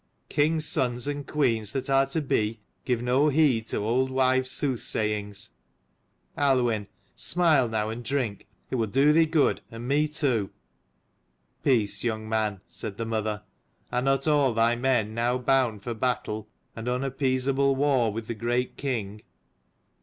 King's sons and queens that are to be, give no heed to old wives' soothsayings. Aluinn, smile now, and drink. It will do thee good, and me too." " Peace, young man," said the mother. " Are not all thy men now bound for battle, and unappeasable war with the great king?